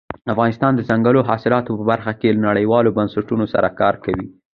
افغانستان د دځنګل حاصلات په برخه کې نړیوالو بنسټونو سره کار کوي.